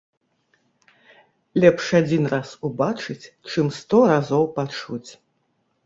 Лепш адзін раз убачыць, чым сто разоў пачуць!